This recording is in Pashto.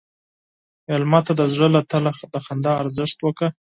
مېلمه ته د زړه له تله د خندا ارزښت ورکړه.